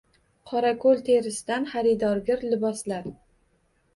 Qorako‘l terisidan xaridorgir liboslar